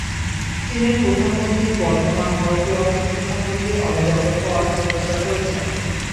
চীনের প্রধানমন্ত্রী বর্ধমান ভারতীয় অর্থনীতি সম্পর্কে অবগত হওয়ার প্রত্যাশা করছেন।